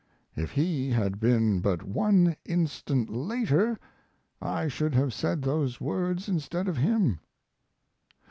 If he had been but one instant later I should have said those words instead of him.